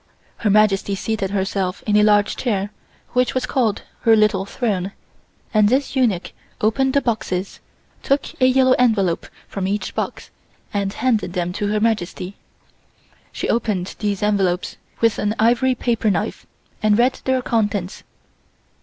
Her Majesty seated herself in a large chair, which was called her little throne, and this eunuch opened the boxes, took a yellow envelope from each box and handed them to Her Majesty. She opened these envelopes with an ivory paper knife and read their contents.